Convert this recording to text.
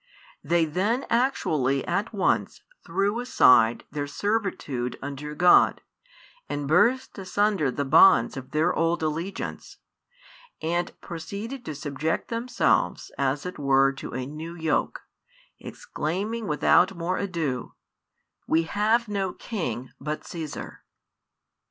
they then actually at once threw aside their servitude under God, and burst asunder the bonds of their old allegiance, and proceeded to subject themselves as it were to a new yoke, exclaiming without more ado: We have no king but Caesar.